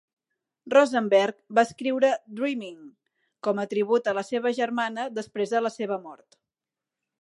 Rosenberg va escriure "Dreamin" com a tribut a la seva germana, després de la seva mort.